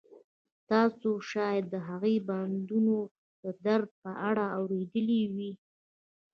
تاسو شاید د هغې د بندونو د درد په اړه اوریدلي وي